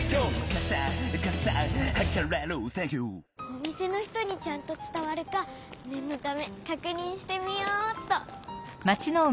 おみせの人にちゃんとつたわるかねんのためかくにんしてみようっと。